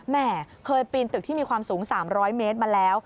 แม่เคยปีนตึกที่มีความสูง๓๐๐เมตรมาแล้ว